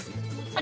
あ！